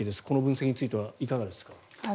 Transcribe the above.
この分析についてはいかがですか？